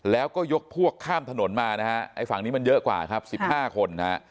แล้วก็ยกพวกข้ามถนนมานะฮะไอ้ฝั่งนี้มันเยอะกว่าครับ๑๕คนนะฮะ